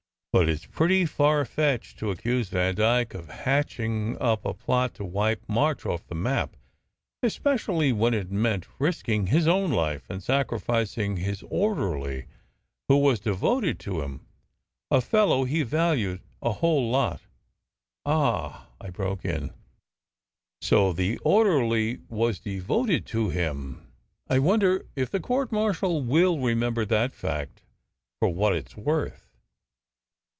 But it s pretty far fetched to accuse Vandyke of hatching up a plot to wipe March off the map, especially when it meant risking his own life and sacrificing his orderly, who was devoted to him a fellow he valued a whole lot "" Ah !" I broke in. " So the orderly was devoted to him ! I wonder if the court martial will remember that fact for what it s worth?"